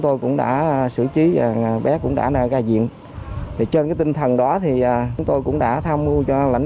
ta đã xử trí và bé cũng đã ra viện trên cái tinh thần đó thì chúng tôi cũng đã tham mưu cho lãnh